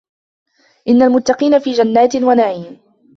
إِنَّ المُتَّقينَ في جَنّاتٍ وَنَعيمٍ